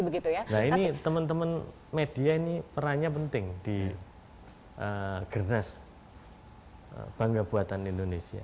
nah ini teman teman media ini perannya penting di gernas bangga buatan indonesia